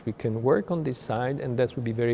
vì vậy chúng tôi sẽ giúp mọi người biết